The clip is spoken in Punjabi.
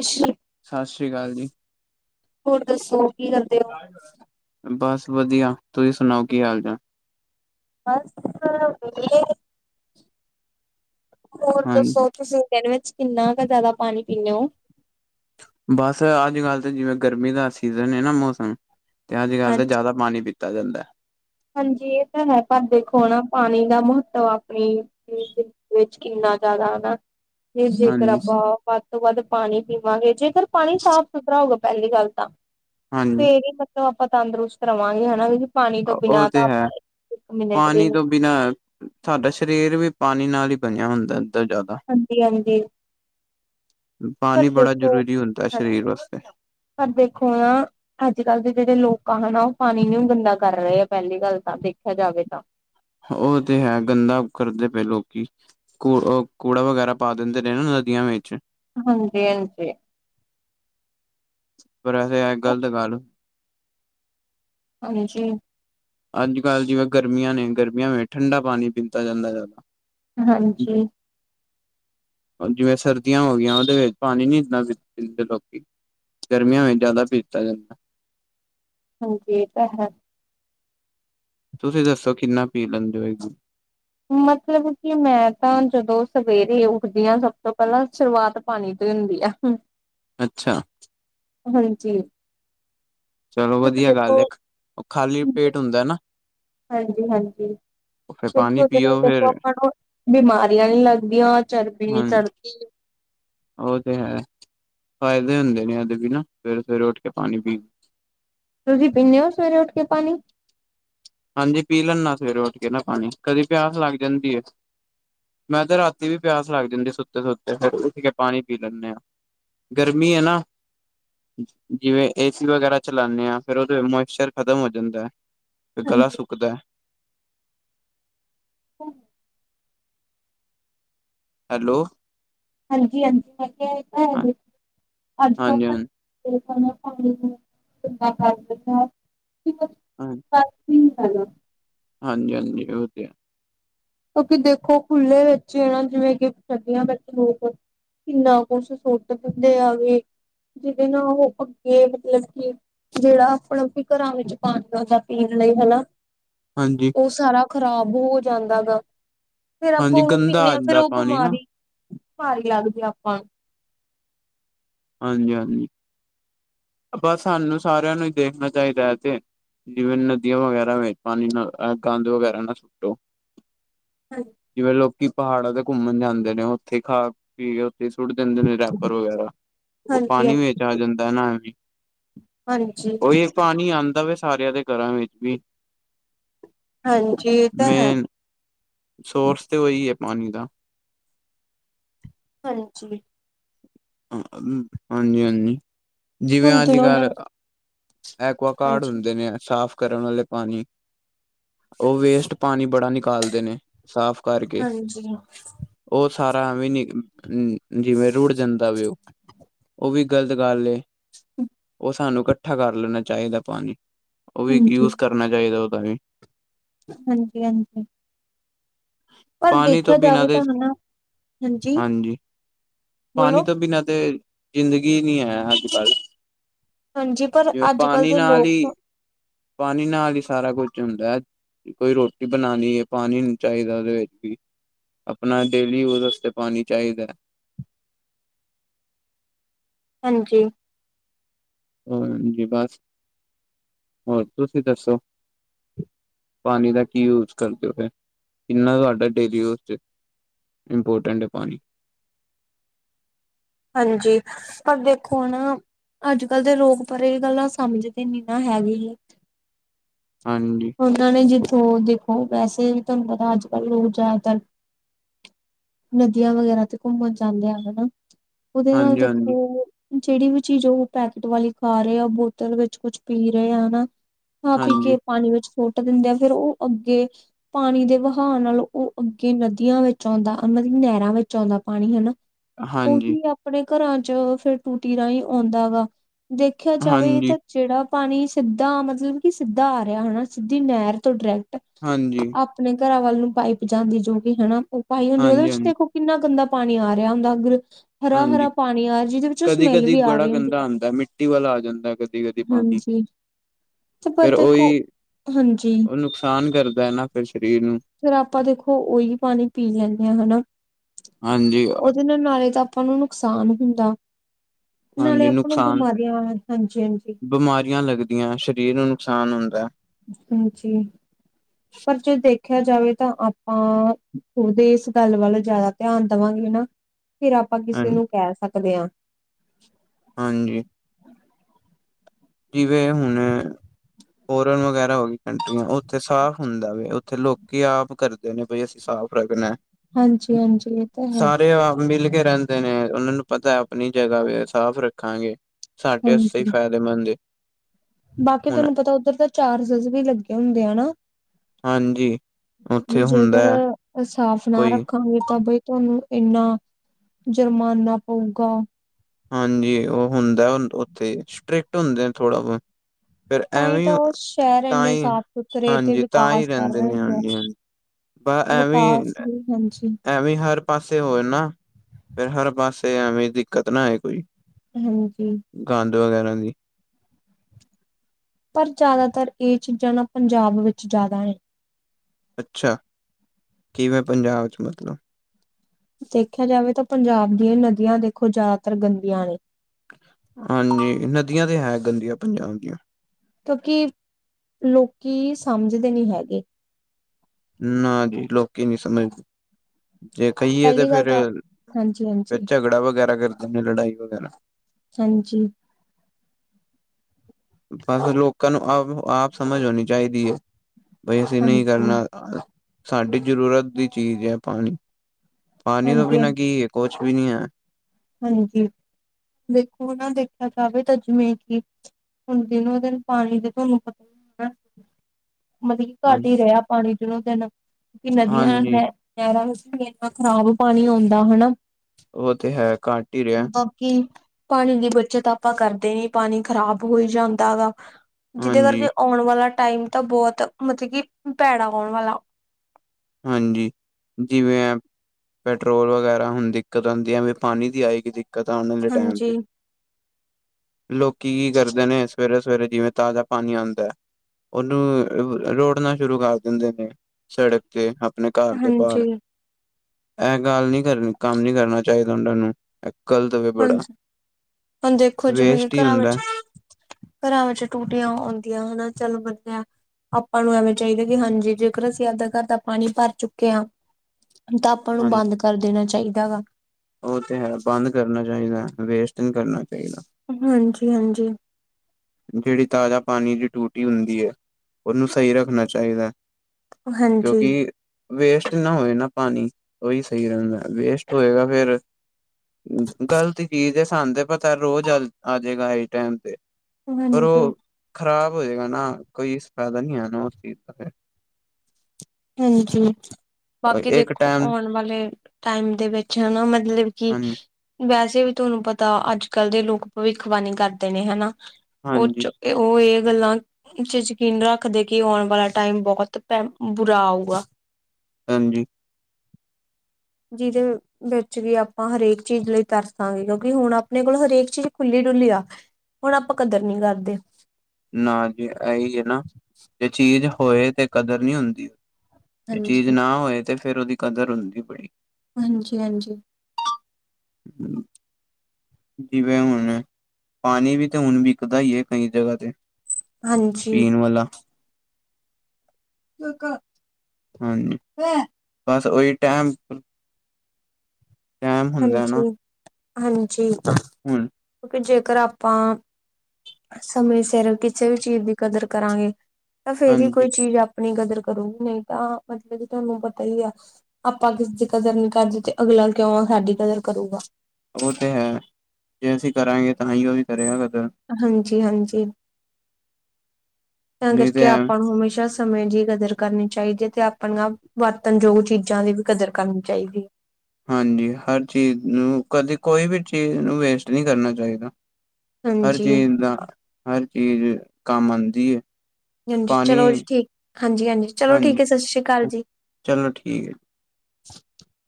ਸ਼ਸ਼ ਸ੍ਰੀ। ਸਤਿ ਸ਼੍ਰੀ ਅਕਾਲ ਜੀ। ਹੋਰ ਦੱਸੋ? ਕੀ ਕਰਦੇ ਹੋ? ਬਸ ਵਧੀਆ ਤੁਸੀਂ ਸੁਣਾਓ ਕੀ ਹਾਲ ਦਾ? ਬਸ ਬੋਤ ਵਧੀ ਏ ਹੋਰ ਹਾਂਜੀ ਦੱਸੋ? ਤੁਸੀਂ ਇਕ ਦਿਨ ਵਿੱਚ ਕਿੰਨਾ ਕੁ ਜ਼ਿਆਦਾ ਪਾਣੀ ਪੀਂਨੇ ਹੋ? ਬਸ ਅੱਜ ਕੱਲ ਤਾਂ ਜਿਵੇਂ ਗਰਮੀ ਦਾ ਸੀਜਨ ਹੈ ਨਾ ਮੌਸਮ ਤੇ ਅੱਜ ਕੱਲ ਤਾਂ ਹਾਂਜੀ ਜ਼ਿਆਦਾ ਪਾਣੀ ਪੀ- ਤਾ ਜਾਂਦਾ। ਹਾਂਜੀ ਇਹ ਤਾਂ ਹੈ ਪਰ ਦੇਖੋ ਨਾ ਪਾਣੀ ਦਾ ਮਹੱਤਵ ਆਪਣੀ- ਵਿੱਚ ਕਿੰਨਾ ਜਿਆਦਾ ਹਨਾ। ਤੇ ਜੇਕਰ ਹਾਂਜੀ ਆਪਾਂ ਵੱਧ ਤੋਂ ਵੱਧ ਪਾਣੀ ਪੀਵਾਂਗੇ ਜੇਕਰ- ਪਾਣੀ ਸਾਫ਼ ਸੁਥਰਾ ਹੋਗਾ ਪਹਿਲੀ ਗੱਲ ਤਾਂ, ਹਾਂਜੀ ਸਵੇਰੇ- ਤੇ ਆਪਾਂ ਤੰਦਰੁਸਤ ਰਹਾਂਗੇ ਹਨਾ ਕਿਕ ਪਾਣੀ ਤੋਂ ਉਹ ਬਿਨਾਂ ਤੇ ਤਾਂ ਆਪਾਂ ਹੈ ਇੱਕ ਮਿੰਟ ਵੀ ਪਾਣੀ ਨੀ। ਤੋਂ ਬਿਨਾਂ ਸਾਡਾ ਸਰੀਰ ਵੀ ਪਾਣੀ ਨਾਲ ਹੀ ਬਣਿਆ ਹੁੰਦਾ, ਹਦ ਤੋ ਜ਼- ਦਾ ਹਾਂਜੀ ਹਾਂਜੀ ਪਰ ਪਾਣੀ ਬੜਾ ਜਰੂਰੀ ਹੁੰਦਾ ਸਰੀਰ ਵਾਸਤੇ। ਆ ਦੇਖੋ ਹਾਂ - ਅੱਜ ਕੱਲ ਦੇ ਜਿਹੜੇ ਲੋਕ ਆ ਹਨਾ ਉਹ ਪਾਣੀ ਨੂੰ ਗੰਦਾ ਕਰ ਰਹੇ ਆ ਪਹਿਲੀ ਗੱਲ ਤਾਂ ਦੇਖੋ ਜਾਕੇ ਤਾਂ। ਹ ਉਹ ਤੇ ਹੈ ਗੰਦਾ ਕਰਦੇ ਪਏ ਲੋਕੀ। ਕ ਉਹ ਕੂੜਾ ਵਗੈਰਾ ਪਾ ਦਿੰਦੇ ਨੇ ਨਾ ਨਦੀਆਂ ਵਿੱਚ। ਹਾਂਜੀ- ਹਾਂਜੀ। ਪਰ ਵੈਸੇ ਏ ਗ਼ਲਤ ਗੱਲ। ਹਾਂਜੀ। ਅੱਜ ਕੱਲ ਜਿਵੇਂ ਗਰਮੀਆਂ ਨੇ ਗਰਮੀਆਂ ਵੀ ਠੰਡਾ ਪਾਣੀ ਪੀਤਾ ਜਾਂਦਾ ਜ਼ਿਆਦਾ। ਹਾਂਜੀ। ਜਿਵੇਂ ਸਰਦੀਆਂ ਹੋ ਗਈਆਂ ਉਹਦੇ ਵਿੱਚ ਪਾਣੀ ਨੀ ਇਦਾ ਪੀਂਦੇ ਲੋਕੀ। ਗਰਮੀਆਂ ਵਿੱਚ ਜ਼ਿਆਦਾ ਪੀਤਾ ਜਾਂਦਾ। ਹਾਂਜੀ ਇਹ ਤਾਂ ਹੈ। ਤੁਸੀਂ ਦੱਸੋ ਕਿੰਨਾ ਪੀ ਲੈਂਦੇ ਹੋ ਹੈਗੀ? ਮਤਲਬ ਕਿ ਮੈਂ ਤਾਂ ਜਦੋਂ ਸਵੇਰੇ ਉੱਠਦੀ ਹਾਂ ਸਭ ਤੋਂ ਪਹਿਲਾਂ ਸ਼ੁਰੂਆਤ- ਪਾਣੀ ਤੇ ਹੁੰਦੀ ਐ ਅੱਛਾ ਹਾਂਜੀ ਚਲੋ ਕਿਉਂਕਿ ਵਦੀਆ ਗੱਲ ਦੇਖੋ ਏ ਇੱਕ ਉਹ ਖਾਲੀ ਪੇਟ ਹੁੰਦਾ ਨਾ ਹਾਂਜੀ ਹਾਂਜੀ ਫਿਰ ਪਾਣੀ ਇਥੋਂ ਦੇ ਪੀਓ ਦੇਖੋ ਫਿਰ ਆਪਾਂ ਨੂੰ ਬਿਮਾਰੀਆਂ ਨੀ ਲੱਗਦੀਆਂ ਔਰ ਚਰਬੀ ਨਹੀਂ ਹਾਂ ਚੜ੍ਹਦੀ ਉਹ ਤੇ ਹੈ ਫਾਇਦੇ ਹੁੰਦੇ ਨੇ ਐਦੇ ਵੀ ਨਾ, ਸਵੇਰੇ ਸਵੇਰੇ ਉੱਠ ਕੇ ਪਾਣੀ ਪੀ ਤੁਸੀਂ ਪੀਂਨੇ ਓ ਸਵੇਰੇ ਉੱਠ ਕੇ ਪਾਣੀ ਹਾਂਜੀ ਪੀ ਲੈਂਨਾ ਸਵੇਰੇ ਉੱਠ ਕੇ ਨਾ ਪਾਣੀ ਕਦੇ ਪਿਆਸ ਲੱਗ ਜਾਂਦੀ ਏ ਮੈਂ ਤੇ ਰਾਤੀ ਵੀ ਪਿਆਸ ਲੱਗ ਜਾਂਦੀ ਸੁੱਤੇ ਸੁੱਤੇ ਫਿਰ ਉੱਠ ਕੇ ਪਾਨੀ ਪੀ ਲੈਂਨੇ ਆ ਗਰਮੀ ਏ ਨਾ ਜਿਵੇਂ ਏਸੀ ਵਗੈਰਾ ਚਲਾਨੇ ਆ ਫੇਿਰ ਉਹਦੇ ਮੋਸਚਰ ਖ਼ਤਮ ਹੋ ਜਾਂਦਾ ਤੇ ਗਲਾ ਹਾਂਜੀ ਸੁੱਕਦਾ ਹੈਲੋ ਹਾਂਜੀ ਹਾਂਜੀ ਮੈਂ ਕਿਹਾ ਹਾਂ, ਅੱਜ ਹਾਂਜੀ, [unintelligible] ਹਾਂਜੀ, [unintelligible] ਹਾਂਜੀ [unintelligible] ਹਾਂਜੀ ਹਾਂਜੀ ਉਹ ਤੇ ਹੈ ਕਿਉਂਕਿ ਦੇਖੋ ਖੁੱਲ੍ਹੇ ਵਿੱਚ ਨਾ ਜਿਵੇਂ ਕਿ ਸਰਦੀਆਂ ਵਿੱਚ ਲੋਕ ਕਿੰਨਾ ਕੁਛ ਸੁੱਟ ਦਿੰਦੇ ਆ ਵੀ ਜਿਹਦੇ ਨਾਲ ਉਹ ਅੱਗੇ ਮਤਲਬ ਕਿ ਜਿਹੜਾ ਆਪਣਾ ਵੀ ਘਰਾਂ ਵਿੱਚ ਪਾਣੀ ਆਦਾ ਪੀਣ ਲਈ ਹੈਨਾ ਹਾਂਜੀ ਉਹ ਸਾਰਾ ਖ਼ਰਾਬ ਹੋ ਜਾਂਦਾ ਗਾ ਫੇਰ ਆਪਾਂ ਹਾਂਜੀ, ਉਹਨੂ ਗੰਦਾ ਪੀਣੇ ਆ ਫੇਰ ਆਂਦਾ ਉਹ ਪਾਣੀ ਨਾ, ਬਿਮਾਰੀ ਭਾਰੀ ਲੱਗਦੀ ਆਪਾਂ ਹਾਂਜੀ-ਹਾਂਜੀ ਬਸ ਸਾਨੂੰ ਸਾਰਿਆਂ ਨੂੰ ਹੀ ਦੇਖਨਾ ਚਾਹੀਦਾ ਐ ਤੇ ਜੀਵਨ ਨਦੀਆਂ ਵਗੈਰਾ ਵ ਪਾਨੀ ਗਾਂਦ ਵਗੈਰਾ ਨਾ ਸੁੱਟੋ ਨੂੰ ਜਿਵੇਂ ਲੋਕੀ ਪਹਾੜਾਂ ਤੇ ਘੁੰਮਣ ਜਾਂਦੇ ਨੇ ਉੱਥੇ ਖਾ ਪੀ ਸੁੱਟ ਦਿੰਦੇ ਨੇ ਰੈਪਰ ਵਗੈਰਾ ਉਹ ਹਾਂਜੀ ਹਾਂਜੀ ਪਾਨੀ ਵਿੱਚ ਆ ਜਾਂਦਾ ਨਾ ਐਵੇਂ ਹਾਂਜੀ ਉਹੀ ਪਾਨੀ ਆੰਦਾ ਵੇ ਸਾਰਿਆਂ ਦੇ ਘਰਾਂ ਵਿੱਚ ਵੀ ਹਾਂਜੀ ਇਹ ਤਾਂ ਹੈ ਮੇਨ ਸੋਰਸ ਤੇ ਉਹੀ ਹੈ ਪਾਨੀ ਦਾ ਹਾਂਜੀ ਹਾਂਜੀ ਹਾਂਜੀ ਜਿਵੇਂ ਹੁਣ ਅੱਜ ਦਿਨੋ ਕੱਲ੍ਹ ਦਿਨ ਐਕੁਆਕਾਰਡ ਹਾਂਜੀ ਹੁੰਦੇ ਨੇ ਇਹ ਸਾਫ਼ ਕਰਨ ਵਾਲੇ ਪਾਨੀ ਉਹ ਵੇਸਟ ਪਾਨੀ ਬੜਾ ਨਿਕਾਲਦੇ ਨੇ ਸਾਫ਼ ਕਰਕੇ ਹਾਂਜੀ ਉਹ ਸਾਰਾ ਐਵੇ ਨ ਜਿਵੇਂ ਰੁੜ ਜਾਂਦਾ ਵੇ ਉਹ ਉਹ ਵੀ ਗ਼ਲਤ ਗੱਲ ਏ ਉਹ ਸਾਨੂੰ ਇਕੱਠਾ ਕਰ ਲੈਣਾ ਚਾਹੀਦਾ ਪਾਨੀ ਉਹ ਵੀ ਹਾਂਜੀ, ਯੂਜ ਕਰਨਾ ਚਾਹੀਦਾ ਉਹਦਾ ਵੀ ਹਾਂਜੀ ਹਾਂਜੀ। ਪਰ ਪਾਨੀ ਤੋਂ ਦੇਖਿਆ ਬਿਨਾਂ ਜਾਵੇ ਤੇ, ਤਾਂ ਹਨਾ ਹਾਂਜੀ ਬੋਲੋ ਪਾਨੀ ਤੋਂ ਬਿਨਾਂ ਤੇ ਜ਼ਿੰਦਗੀ ਈ ਨੀ ਹੈ ਅੱਜ ਕੱਲ। ਹਾਂਜੀ ਪਰ ਜਵੇਂ ਅੱਜ ਕੱਲ ਪਾਨੀ ਦੇ ਨਾਲ ਲੋਕ ਤਾਂ ਹੀ ਪਾਨੀ ਨਾਲ ਈ ਸਾਰਾ ਕੁਛ ਹੁੰਦਾ ਹੈ, ਕੋਈ ਰੋਟੀ ਬਨਾਣੀ ਹੈ ਪਾਨੀ ਚਾਈਦਾ ਉਹਦੇ ਵਿੱਚ ਵੀ ਆਪਣਾ ਡੇਲੀ ਯੂਜ ਵਾਸਤੇ ਪਾਨੀ ਚਾਈਦਾ। ਹਾਂਜੀ। ਹਾਂਜੀ ਬਸ ਹੋਰ ਤੁਸੀਂ ਦੱਸੋ? ਪਾਨੀ ਦਾ ਕੀ ਯੂਜ ਕਰਦੇ ਹੋ ਫੇਰ ਕਿੰਨਾ ਤੁਹਾਡਾ ਡੇਲੀ ਯੂਜ ਚ। ਇੰਪੋਰਟੈਂਟ ਏ ਪਾਨੀ। ਹਾਂਜੀ ਪਰ ਦੇਖੋ ਹੁਣ ਅੱਜ ਕੱਲ ਦੇ ਲੋਕ ਪਰ ਏ ਗੱਲਾਂ ਸਮਝਦੇ ਨੀ ਨਾ ਹੈਗੇ ਜੀ। ਹਾਂਜੀ। ਉਨਾਂ ਨੇ ਜਿੱਥੋਂ ਦੇਖੋ ਵੈਸੇ ਵੀ ਤੁਹਾਨੂੰ ਪਤਾ ਅੱਜ ਕੱਲ ਲੋਕ ਜਾਦਾਤਰ ਨਦੀਆਂ ਵਗੈਰਾ ਤੇ ਘੁੰਮਣ ਜਾਂਦੇ ਆ ਹਨਾ ਉਦੇ ਨਾਲ ਹਾਂਜੀ ਹਾਂਜੀ ਦੇਖੋ ਜੇੜੀ ਵੀ ਚੀਜ਼ ਉਹ ਪੈਕਟ ਵਾਲੀ ਖਾ ਰਹੇ ਆ ਬੋਤਲ ਵਿੱਚ ਕੁਛ ਪੀ ਰਹੇ ਆਨਾ। ਖਾ ਪੀ ਹਾਂਜੀ ਕੇ ਪਾਨੀ ਵਿੱਚ ਸੁੱਟ ਦਿੰਦੇ ਆ ਫੇਰ ਉਹ ਅੱਗੇ ਪਾਨੀ ਦੇ ਵਹਾਅ ਨਾਲ ਉਹ ਅੱਗੇ ਨਦੀਆਂ ਵਿੱਚ ਆਉਂਦਾ ਉਨਾਂ ਦੀ ਨਹਿਰਾਂ ਵਿੱਚ ਆਉਂਦਾ ਪਾਨੀ ਹਨਾ। ਹਾਂਜੀ ਉਹੀ ਆਪਣੇ ਘਰਾਂ ਚ ਫਿਰ ਟੂਟੀ ਰਾਹੀਂ ਆਉਂਦਾ ਵਾ ਦੇਖਿਆ ਜਾਵੇ ਇਹ ਹਾਂਜੀ ਤਾਂ ਜੇੜਾ ਪਾਨੀ ਸਿੱਧਾ ਮਤਲਬ ਕਿ ਸਿੱਧਾ ਆ ਰਿਆ ਹਨਾ ਸਿੱਧੀ ਨੇਰ ਤੋਂ ਡਾਇਰੈਕਟ ਹਾਂਜੀ ਹਾਂਜੀ ਅਪਣੇ ਘਰਾਂ ਵੱਲ ਨੂੰ ਪਾਈਪ ਜਾਂਦੀ ਜੋ ਕਿ ਹਨਾ ਉਹ ਪਾਈ ਹੁੰਦੀ ਉਦੇ ਵਿੱਚ ਹਾਂਜੀ ਦੇਖੋ ਕਿੰਨਾ ਗੰਦਾ ਪਾਣੀ ਆ ਰਿਆ ਹੁੰਦਾ ਅਗਰ ਹਰਾ-ਹਰਾ ਹਾਂਜੀ ਪਾਨੀ ਆ ਜਿਦੇ ਵਿੱਚ ਉਹ ਕਦੀ ਸਮੈਲ ਕਦੀ ਵੀ ਆ ਬੜਾ ਰਹੀ ਹੁੰਦੀ ਗੰਦਾ ਆ। ਆਉਂਦਾ ਮਿੱਟੀ ਵਾਲਾ ਆ ਜਾਂਦਾ ਕਦੀ ਕਦੀ ਪਾਣੀ ਹਾਂਜੀ ਤੇ ਪਰ ਫੇਰ ਦੇਖੋ, ਉਹੀ ਹਾਂਜੀ। ਉਹ ਨੁਕਸਾਨ ਕਰਦਾ ਨੈ ਫਿਰ ਸ਼ਰੀਰ ਨੂੰ। ਫੇਰ ਆਪਾਂ ਦੇਖੋ ਉਹੀ ਪਾਨੀ ਪੀ ਲੈਂਦੇ ਹਾਂ ਹਨਾ ਹਾਂਜੀ ਉਦੇ ਨਾ ਨਾਲੇ ਤਾਂ ਆਪਾਂ ਨੂੰ ਨੁਕਸਾਨ ਹੁੰਦਾ ਨਾਲੇ ਹਾਂਜੀ ਆਪਾਂ ਨੂੰ ਨੁਕਸਾਨ ਬਿਮਾਰੀਆਂ ਹਾਂਜੀ- ਹਾਂਜੀ। ਬਿਮਾਰੀਆਂ ਲੱਗਦੀਆਂ ਸ਼ਰੀਰ ਨੂੰ ਨੁਕਸਾਨ ਹੁੰਦਾ। ਹਾਂਜੀ। ਪਰ ਜੇ ਦੇਖਿਆ ਜਾਵੇ ਤਾਂ ਆਪਾਂ ਉਦੇ ਇਸ ਗੱਲ ਵੱਲ ਜਾਦਾ ਧਿਆਨ ਦੇਵਾਂਗੇ ਨਾ ਫਿਰ ਆਪਾਂ ਕਿਸੇ ਹਾਂਜੀ ਨੂੰ ਕੈ ਸਕਦੇ ਆ। ਹਾਂਜੀ। ਜਿਵੇਂ ਹੁਣ ਫੋਰਨ ਵਗੈਰਾ ਹੋ ਗਈ ਕੰਟਰੀਆਂ ਉੱਥੇ ਸਾਫ਼ ਹੁੰਦਾ ਵੇ ਉੱਥੇ ਲੋਕੀ ਆਪ ਕਰਦੇ ਨੇ ਬਈ ਅਸੀਂ ਸਾਫ਼ ਰੱਖਣਾ ਹਾਂਜੀ ਹਾਂਜੀ ਇਹ ਤਾਂ ਹੈ ਸਾਰੇ ਮਿਲ ਕੇ ਰੇੰ ਦੇ ਨੇ ਉਨਾਂ ਨੂੰ ਪਤਾ ਆਪਣੀ ਜਗਾ ਵੇ ਸਾਫ਼ ਰੱਖਾਂਗੇ ਸਾਡੇ ਆਸੇ ਈ ਹਾਂਜੀ ਫਾਇਦੇਮੰਦ ਏ। ਬਾਕੀ ਹੁਣ ਤਾਨੂੰ ਪਤਾ ਉੱਧਰ ਤਾਂ ਚਾਰਜਿਸ ਵੀ ਲੱਗੇ ਹੁੰਦੇ ਹਨਾ। ਜੀ ਉੱਥੇ ਹੁੰਦਾ ਜੇਕਰ ਸਾਫ਼ ਨਾ ਕੋਈ ਰੱਖਾਂਗੇ ਤਾ ਬਈ ਤੁਹਾਨੂੰ ਇੰਨਾ ਜੁਰਮਾਨਾ ਪਊਗਾ। ਹਾਂਜੀ ਉਹ ਹੁੰਦਾ ਉੱਥੇ ਸਟ੍ਰਿਕਟ ਹੁੰਦੇ ਥੋੜਾ ਬੋ। ਫਿਰ ਤਾਂ ਹੀ ਤਾਂ ਐਵੇਂ ਉਹ ਸ਼ਹਿਰ ਤਾਂ ਇੰਨੇ ਈ ਸਾਫ਼ ਸੁਥਰੇ ਤੇ ਹਾਂਜੀ ਤਾਂ ਈ ਵਿਕਾਸ ਕਰ ਰੇੰਦੇ ਰਹੇ ਨੇ ਹੁੰਦੇ ਆ। ਹਾਂਜੀ-ਹਾਂਜੀ। ਬਾ ਐਵੈ ਈ ਵਿਕਾਸ ਹੂੰਦਾ। ਵੀ ਹਾਂਜੀ ਐਵੇਂ ਈ ਹਰ ਪਾਸੇ ਹੋਵੇ ਨਾ ਫਿਰ ਹਰ ਪਾਸੇ ਐਵੇਂ ਦਿੱਕਤ ਨਾ ਆਏ ਕੋਈ। ਹਾਂਜੀ। ਗਾਂਦ ਵਗੈਰਾ ਦੀ ਪਰ ਜਾਦਾਤਰ ਏ ਚੀਜ਼ਾਂ ਨਾ ਪੰਜਾਬ ਵਿੱਚ ਜਾਦਾ ਏ। ਅੱਛਾ ਕਿਵੇਂ ਪੰਜਾਬ ਚ ਮਤਲਬ ਦੇਖਿਆ ਜਾਵੇ ਤਾਂ ਪੰਜਾਬ ਦੀਆਂ ਨਦੀਆਂ ਦੇਖੋ ਜਾਦਾਤਰ ਗੰਦੀਆ ਨੇ। ਹਾਂਜੀ ਨਦੀਆਂ ਤੇ ਹੈ ਗੰਦੀਆਂ ਪੰਜਾਬ ਦੀਆਂ। ਕਿਉਂਕਿ ਲੋਕੀ ਸਮਝਦੇ ਨੀ ਹੈਗੇ। ਨਾ ਜੀ ਲੋਕੀ ਨੀ ਸਮਝਦੇ। ਜੇ ਕਹੀਏ, ਤਾਂ ਪਹਿਲੀ ਗੱਲ ਫੇਰ, ਹਾਂਜੀ ਹਾਂਜੀ ਫਿਰ ਝਗੜਾ ਵਗੈਰਾ ਕਰਦੇ ਨੇ, ਲੜਾਈ ਵਗੈਰਾ। ਹਾਜੀ। ਬਸ ਲੋਕਾਂ ਨੂੰ ਆਪ, ਆਪ ਸਮਝ ਹੋਨੀ ਚਾਈਦੀ ਏ। ਬਈ ਅਸੀਂ ਨਈ ਹਾਂਜੀ ਕਰਨਾ ਸਾਡੀ ਜ਼ਰੂਰਤ ਦੀ ਚੀਜ਼ ਐ ਪਾਨੀ। ਪਾਨੀ ਤੋਂ ਹਾਂਜੀ ਬਿਨਾ ਕੀ ਏ ਕੁਛ ਵੀ ਨੀ ਐ। ਹਾਂਜੀ ਦੇਖੋ ਨਾ ਦੇਖੇਆ ਜਾਵੇ, ਤਾਂ ਜਿਵੇਂ ਕਿ ਹੁਨ ਦਿਨੋ-ਦਿਨ ਪਾਣੀ ਦਾ ਤੁਆਨੂੰ ਪਤਾ ਈ ਹੈਗਾ। ਮਤਲਬ ਕਿ ਘੱਟ ਹਾਂਜੀ ਈ ਰਯਾ ਪਾਣੀ ਦਿਨੋ-ਦਿਨ ਕਿਉਂਕਿ ਨਦੀਆਂ ਨੇ ਹਾਂਜੀ ਨਹਰਾਂ ਵਿੱਚ ਵੀ ਇੰਨਾ ਖ਼ਰਾਬ ਪਾਣੀ ਆਂਦਾ ਹਨਾ। ਓ ਤੇ ਹੈ ਘਾਟ ਬਾਕੀ ਪਾਣੀ ਦੀ ਬੱਚਤ ਆਪਾਂ ਕਰਦੇ ਨੀ, ਪਾਣੀ ਖ਼ਰਾਬ ਹੋਈ ਜਾਂਦਾ ਗਾ। ਜਿਦੇ ਹਾਂਜੀ ਕਰਕੇ ਆਉਣ ਵਾਲਾ ਟਾਈਮ ਤਾਂ ਬੋਤ ਮਤਲਬ ਕਿ ਭੈੜਾ ਆਉਣ ਵਾਲਾ। ਹਾਂਜੀ, ਜਿਵੇਂ ਐ ਪੈਟਰੋਲ ਵਗੈਰਾ ਹੁਨ ਦਿੱਕਤ ਆਂਦੀ ਐ, ਐਵੇਂ ਪਾਨੀ ਦੀ ਆਏਗੀ, ਦਿੱਕਤ ਆਨ ਵਾਲੇ ਟਾਈਮ 'ਚ। ਹਾਂਜੀ ਲੋਕੀ ਕੀ ਕਰਦੇ ਨੇ ਸਵੇਰੇ-ਸਵੇਰੇ ਜਿਵੇਂ ਤਾਜ਼ਾ ਪਾਨੀ ਆਂਦਾ ਐ ਓਨੂੰ ਰੋੜਨਾ ਸ਼ੁਰੂ ਕਰ ਦੇਂਦੇ ਨੇ ਸੜਕ ਤੇ ਅਪਨੇ ਘਰ ਦੇ ਬਾਰ, ਹਾਂਜੀ ਐ ਗੱਲ ਨੀ ਕਰਨੀ ਕੰਮ ਨੀ ਕਰਨਾ ਚਾਈਦਾ, ਤੁਆਨੁ। ਐ ਗਲਤ ਵੇ ਬੜਾ। ਹੁਨ ਦੇਖੋ, ਜਿਵੇਂ ਕਿ ਵੇਸਟ ਹੀ ਘਰਾਂ ਵਿੱਚ ਹੁੰਦਾ ਘਰਾਂ ਵਿੱਚ ਟੂਟੀਆਂ ਆਉਂਦੀਆਂ ਹਨਾ, ਚੱਲ ਬਨਿਆ ਆਪਾਂ ਨੂੰ ਐਵੇਂ ਚਾਈਦਾ ਕਿ ਹਾਂਜੀ ਜੇਕਰ ਅਸੀਂ ਆਪਦਾ ਘਰ ਦਾ ਪਾਨੀ ਭਰ ਚੁੱਕੇ ਆਂ ਤਾਂ ਆਪਾਂ ਨੂੰ ਬੰਦ ਕਰ ਦੇਣਾ ਚਾਈਦਾ ਗਾ। ਓ ਤੇ ਹੈ ਬੰਦ ਕਰਨਾ ਚਾਈਦਾ, ਵੇਸਟ ਨੀ ਕਰਨਾ ਚਾਈਦਾ। ਹਾਂਜੀ-ਹਾਂਜੀ। ਜੇੜੀ ਤਾਜ਼ਾ ਪਾਨੀ ਦੀ ਟੂਟੀ ਹੁੰਦੀ ਐ ਓਨੂੰ ਸਈ ਰੱਖਣਾ ਚਾਈਦਾ ਐ। ਹਾਂਜੀ ਕਿਉਂਕਿ ਵੇਸਟ ਨਾ ਹੋਏ ਨਾ ਪਾਨੀ ਓਈ ਸਈ ਰੈਂਦਾ, ਵੇਸਟ ਹੋਏਗਾ ਫੇਰ ਗ਼ਲਤ ਚੀਜ਼ ਏ, ਸਾਨੂੰ ਤੇ ਪਤਾ ਰੋਜ਼ ਆ ਆ ਜੇਗਾ ਇਸ ਟਾਈਮ ਤੇ। ਪਰ ਹਾਂਜੀ ਓ ਖ਼ਰਾਬ ਹੋ ਜਾਏਗਾ ਨਾ ਕੋਈ ਫੈਦਾ ਨੀ ਐ ਨਾ ਉਸ ਚੀਜ਼ ਦਾ ਫਿਰ। ਹਾਂਜੀ। ਫਿਰ ਬਾਕੀ ਇੱਕ ਦੇਖੋ, ਟਾਈਮ ਆਉਣ ਵਾਲੇ ਟਾਈਮ ਦੇ ਵਿੱਚ ਹਨਾ ਮਤਲਬ ਕਿ ਹਾਂਜੀ ਵੈਸੇ ਵੀ ਤੁਆਨੂੰ ਪਤਾ ਅੱਜ-ਕੱਲ ਦੇ ਲੋਕ ਭਵਿੱਖਬਾਣੀ ਕਰਦੇ ਨੇ ਹਨਾ, ਓਹ ਹਾਂਜੀ ਚੋਂ ਏ ਓ ਏ ਗੱਲਾਂ ਚ ਯਕੀਨ ਰੱਖਦੇ ਕਿ ਆਉਣ ਵਾਲਾ ਟਾਈਮ ਬੋਤ ਪੈ ਬੁਰਾ ਆਊਗਾ। ਹਾਂਜੀ। ਜੀ 'ਚ ਵਿੱਚ ਵੀ ਆਪਾਂ ਹਰੇਕ ਚੀਜ਼ ਲਈ ਤਰਸਾਂਗੇ, ਕਿਉਂਕਿ ਹੁਣ ਆਪਣੇ ਕੋਲ ਹਰੇਕ ਚੀਜ਼ ਖੁੱਲੀ ਡੁੱਲੀ ਆ। ਹੁਣ ਆਪਾਂ ਕਦਰ ਨੀ ਕਰਦੇ। ਨਾ ਜੀ ਐਈ ਏ ਨਾ ਜੇ ਚੀਜ਼ ਹੋਏ ਤੇ ਕਦਰ ਨੀ ਹੁੰਦੀ। ਜੇ ਚੀਜ਼ ਹਾਂਜੀ ਨਾ ਹੋਏ, ਤੇ ਫੇਰ ਓਦੀ ਕਦਰ ਹੁੰਦੀ ਬੜੀ। ਹਾਂਜੀ-ਹਾਂਜੀ। [inaudible] ਜਿਵੇਂ ਹੁਨ ਪਾਨੀ ਵੀ ਤੇ ਹੁਨ ਵਿਕਦਾ ਈ ਏ, ਕਈ ਜਗ੍ਹਾ ਤੇ। ਹਾਂਜੀ। [unintelligible] [inaudible] ਹਾਂਜੀ, ਹੈ, ਬਸ ਉਹੀ ਟੈਮ ਹੁੰਦਾ ਨਾ ਹਾਂਜੀ ਹਾਂਜੀ। ਹੁਣ। ਕਿਉਂਕਿ ਜੇਕਰ ਆਪਾਂ ਸਮੇਂ ਸਿਰ ਕਿਸੇ ਵੀ ਚੀਜ਼ ਦੀ ਕਦਰ ਕਰਾਂਗੇ। ਤਾਂ ਫੇਰ ਹੀ ਹਾਂਜੀ ਕੋਈ ਚੀਜ਼ ਆਪਣੀ ਕਦਰ ਕਰੂਗੀ, ਨਹੀਂ ਤਾਂ ਮਤਲਬ ਕਿ ਤੁਹਾਨੂੰ ਪਤਾ ਹੀ ਆ। ਆਪਾਂ ਕਿਸੇ ਦੀ ਕਦਰ ਨਹੀਂ ਕਰਦੇ ਤੇ ਅਗਲਾ ਕਿਉ ਸਾਡੀ ਕਦਰ ਕਰੂਗਾ। ਉਹ ਤੇ ਹੈ, ਜੇ ਅਸੀਂ ਕਰਾਂਗੇ ਤਾਂ ਹੀ ਉਹ ਵੀ ਕਰੇਗਾ ਕਦਰ। ਹਾਂਜੀ ਹਾਂਜੀ, ਤਾਂ ਨਹੀਂ ਤੇ ਕਰਕੇ ਐਵੇਂ ਆਪਾਂ ਨੂੰ ਹਮੇਸ਼ਾ ਸਮੇਂ ਦੀ ਕਦਰ ਕਰਨੀ ਚਾਹੀਦੀ ਆ ਤੇ ਆਪਣੀਆਂ ਵਰਤਣਯੋਗ ਚੀਜ਼ਾਂ ਦੀ ਵੀ ਕਦਰ ਕਰਨੀ ਚਾਹੀਦੀ ਐ। ਹਾਂਜੀ ਹਰ ਚੀਜ਼ ਨੂੰ ਕਦੇ ਕੋਈ ਵੀ ਚੀਜ਼ ਨੂੰ ਵੇਸਟ ਨਹੀਂ ਕਰਨਾ ਚਾਹੀਦਾ। ਹਰ ਹਾਂਜੀ ਚੀਜ਼ ਦਾ, ਹਰ ਚੀਜ਼ ਕੰਮ ਆਂਦੀ ਐ। ਹਾਂਜੀ ਚਲੋ ਜੀ ਠੀਕ ਹਾਂਜੀ ਹਾਂਜੀ ਚਲੋ ਠੀਕ ਐ ਸਤਿ ਸ੍ਰੀ ਅਕਾਲ ਜੀ। ਚਲੋ ਠੀਕ।